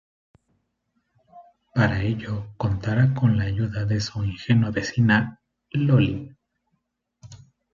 Para ello contará con la ayuda de su ingenua vecina "Loli".